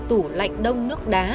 tủ lạnh đông nước đá